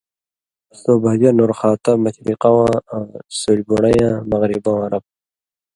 سو بھژہ نورخاتہ (مشرِقہ) واں آں سُوریۡ بُڑئین٘یاں (مغرِبہ واں) رب تُھو۔